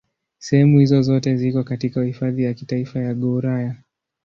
Sehemu hizo zote ziko katika Hifadhi ya Kitaifa ya Gouraya.